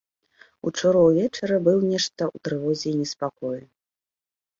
Учора ўвечары быў нешта ў трывозе і неспакоі.